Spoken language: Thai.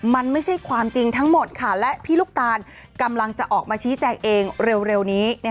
มันไม่ใช่ความจริงทั้งหมดค่ะและพี่ลูกตาลกำลังจะออกมาชี้แจงเองเร็วนี้